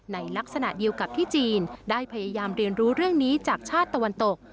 ในลักษณะเดียวกับที่จีนได้พยายามเรียนรู้เรื่องนี้จากชาติตะวันตก